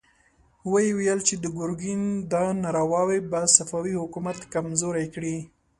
ويې ويل چې د ګرګين دا نارواوې به صفوي حکومت کمزوری کړي.